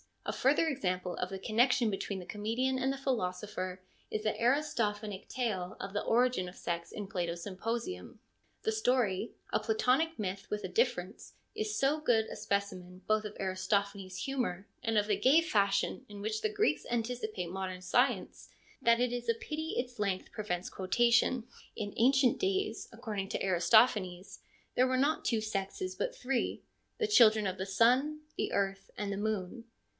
A further example of the connection between the comedian and the philosopher is the Aristophanic tale of the origin of sex in Plato's Symposium. The story — a Platonic myth with a difference — is so good a specimen both of Aristophanes' humour and of the gay fashion in which the Greeks anticipate modern science that it is a pity its length prevents quotation. ARISTOPHANES 167 In ancient days [according to Aristophanes] there were not two sexes but three, the children of .he sun, the earth, and the moon.